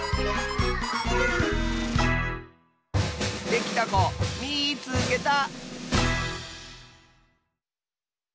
できたこみいつけた！